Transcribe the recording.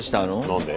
何で？